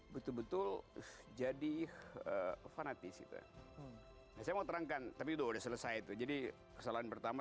betul betul jadi fanatis itu saya mau terangkan tapi udah selesai itu jadi kesalahan pertama